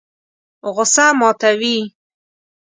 غوسه ماتوي.